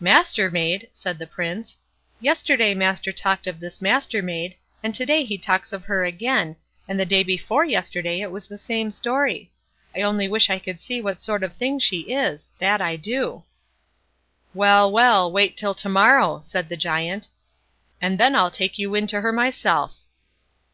"Mastermaid!" said the Prince; "yesterday master talked of this Mastermaid, and to day he talks of her again, and the day before yesterday it was the same story. I only wish I could see what sort of thing she is! that I do." "Well, well, wait till to morrow", said the Giant, "and then I'll take you in to her myself."